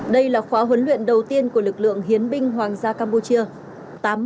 đây là khóa huấn luyện đầu tiên của lực lượng hiến binh hoàng gia campuchia